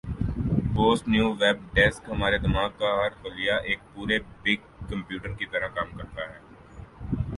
Boston Web desk ہمارے دماغ کا ہر خلیہ ایک پورےبگ کمپیوٹر کی طرح کام کرتا ہے